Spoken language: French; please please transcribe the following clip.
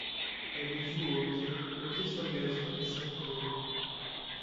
Elle y joue au hockey, hockey sur gazon et softball.